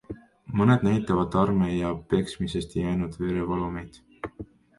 Mõned näitavad arme ja peksmisest jäänud verevalumeid.